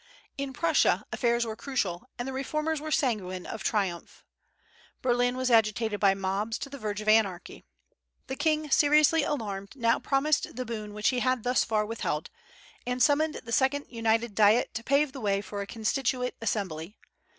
In Prussia, affairs were critical, and the reformers were sanguine of triumph. Berlin was agitated by mobs to the verge of anarchy. The king, seriously alarmed, now promised the boon which he had thus far withheld, and summoned the Second United Diet to pave the way for a constituent assembly.